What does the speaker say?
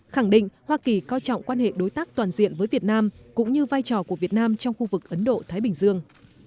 khẳng định hoa kỳ coi trọng quan hệ đối tác toàn diện với việt nam cũng như vai trò của việt nam trong khu vực ấn độ thái bình dương